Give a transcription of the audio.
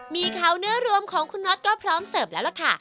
มีเขาเนื้อรวมของคุณน็อตก็พร้อมเสิร์ฟแล้วล่ะค่ะ